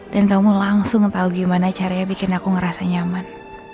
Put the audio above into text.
dan kamu langsung tau gimana caranya bikin aku ngerasa nyaman